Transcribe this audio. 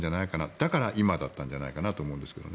だから今だったんじゃないかと思うんですけどね。